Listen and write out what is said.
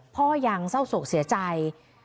พ่อยังเศร้าโศกเสียใจ